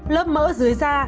lớp mỡ dưới da